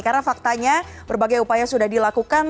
karena faktanya berbagai upaya sudah dilakukan